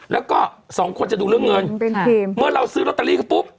แล้วก็สองคนจะดูเรื่องเงินเป็นทีมเมื่อเราซื้อลอตเตอรี่เขาปุ๊บ